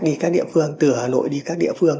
đi các địa phương từ hà nội đi các địa phương